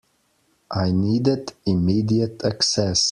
I needed immediate access.